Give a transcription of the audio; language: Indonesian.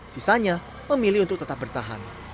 sisanya memilih untuk tetap bertahan